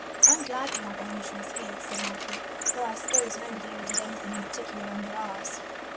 "I'm glad we have elm trees here," said Malcolm, "though I s'pose nobody ever did anything in particular under ours."